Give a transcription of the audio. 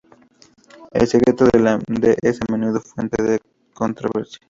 El secreto es a menudo fuente de controversia.